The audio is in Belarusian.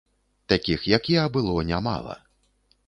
Такіх, як я, было нямала.